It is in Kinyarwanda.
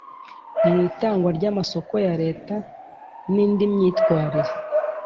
Mu itangwa ry amasoko ya leta n indi myitwarire